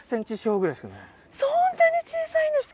そんなに小さいんですか？